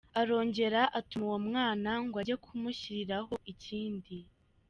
Arongera atuma uwo mwana ngo ajye kumushyiriraho ikindi.